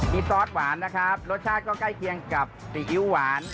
มีซอสหวานนะครับรสชาติก็ใกล้เคียงกับซีอิ๊วหวาน